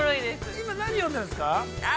◆今、何読んでるんですか。